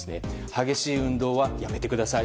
激しい運動はやめてください。